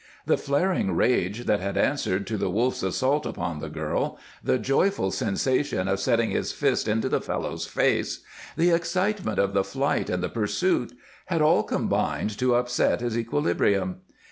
The flaring rage that had answered to the Wolf's assault upon the girl, the joyful sensation of setting his fist into the fellow's face, the excitement of the flight and the pursuit, had all combined to upset his equilibrium.